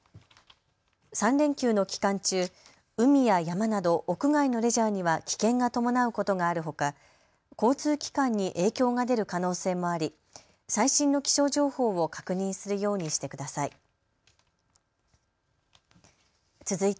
３連休の期間中、海や山など屋外のレジャーには危険が伴うことがあるほか交通機関に影響が出る可能性もあり最新の気象情報を確認するようにしてください。